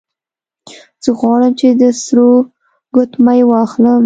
زه غواړم چې د سرو ګوتمۍ واخلم